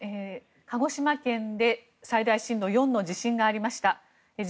鹿児島県で最大震度４の地震がありました。